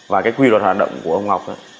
và cái quy luật hoạt động của ông ngọc